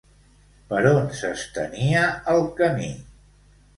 Per on s'estenia el camí?